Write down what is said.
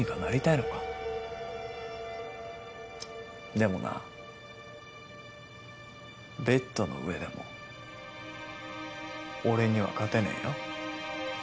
でもなベッドの上でも俺には勝てねえよ。